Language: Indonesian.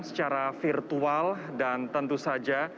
secara virtual dan tentu saja